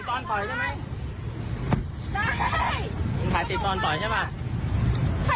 ตรงนี้คุณปอดครอบครับ